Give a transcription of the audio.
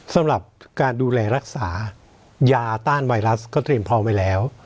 สำหรับการดูแลรักษายาต้านไวรัสก็เตรียมพร้อมไว้แล้ว